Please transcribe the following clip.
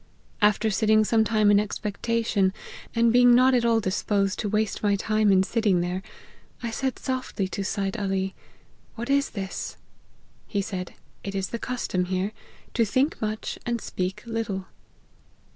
After sitting some time in expectation, and being not at all disposed to waste my time in sitting there, I said softly to Seid Ali, ' What is this ?' He said, 4 It is the custom here, to think much, and speak little.'